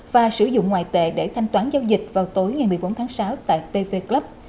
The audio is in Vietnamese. và sử dụng ngoại tệ để thanh toán giao dịch vào tối ngày một mươi bốn tháng sáu tại tv club